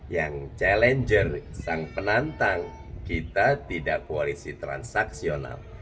yang challenger sang penantang kita tidak koalisi transaksional